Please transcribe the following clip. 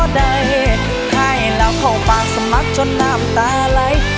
ขึ้นบ่ไดให้เราเข้าฝั่งสมัครจนน้ำตาไหล